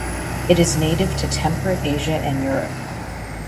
It is native to temperate Asia and Europe.